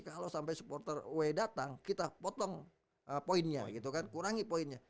kalau sampai supporter w datang kita potong poinnya gitu kan kurangi poinnya